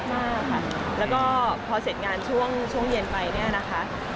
ค่ะแล้วก็ครบเสร็จงานช่วงช่วงเย็นไปเนี่ยนะคะ